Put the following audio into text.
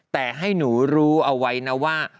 แต่ให้หนูรู้เอาไว้นะว่า